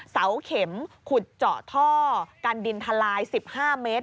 เสาเข็มขุดเจาะท่อกันดินทลาย๑๕เมตร